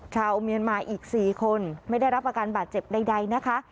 ชาวเมียนมาอีก๔คนไม่ได้รับอาการบาดเจ็บใดนะคะ